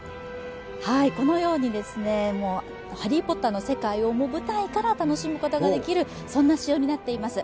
このように「ハリー・ポッター」の世界を舞台から楽しむことができるそんな仕様になっています。